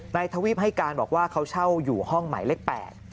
ทวีปให้การบอกว่าเขาเช่าอยู่ห้องหมายเลข๘